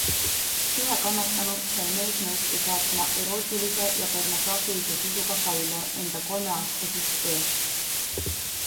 Ühe kannatanu sai mees nõusse saatma erootilise ja pornograafilise sisuga faile enda kolmeaastasest õest.